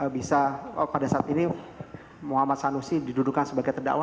bisa pada saat ini muhammad sanusi didudukan sebagai terdakwa